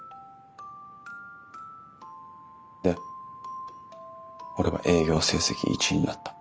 で俺は営業成績１位になった。